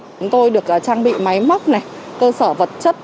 chúng tôi được trang bị máy móc này cơ sở vật chất